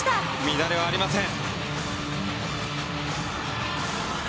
乱れはありません。